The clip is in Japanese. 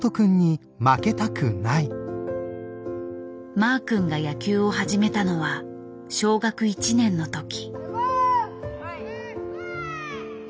マー君が野球を始めたのは小学１年のとき。